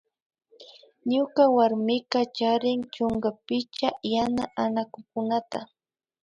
Ñuka warmika charin chunka picha yana anakukunata